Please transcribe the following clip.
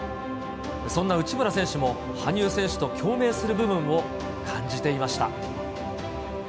そんな内村選手も、羽生選手と共鳴する部分を感じていました。